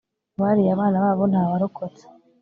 bariye abana babo nta warokotse